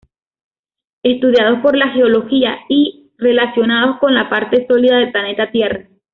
Estudiados por la geología, y relacionados con la parte sólida del planeta Tierra.